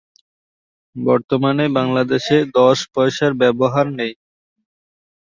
বর্তমানে বাংলাদেশে দশ পয়সার ব্যবহার নেই।